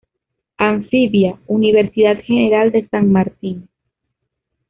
Anfibia, Universidad General de San Martín.